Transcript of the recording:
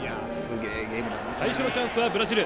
最初のチャンスはブラジル。